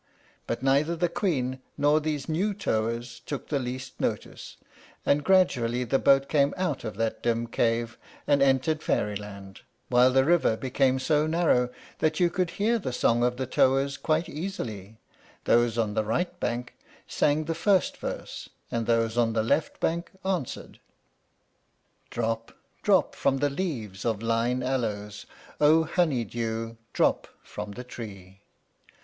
But neither the Queen nor these new towers took the least notice, and gradually the boat came out of that dim cave and entered Fairyland, while the river became so narrow that you could hear the song of the towers quite easily; those on the right bank sang the first verse, and those on the left bank answered: Drop, drop from the leaves of lign aloes, O honey dew! drop from the tree.